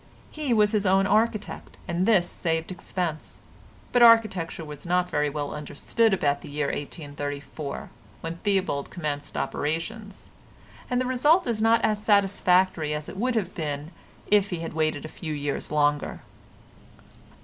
He was his own architect, and this saved expense; but architecture was not very well understood about the year 1834, when Theobald commenced operations, and the result is not as satisfactory as it would have been if he had waited a few years longer.